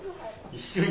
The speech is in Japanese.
一緒に？